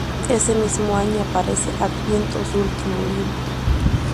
Ese mismo año aparece "Adviento", su último libro.